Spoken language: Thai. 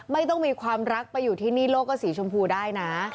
ไม่ต้องมีความรักไปอยู่ที่นี่โลกก็สีชมพูได้นะ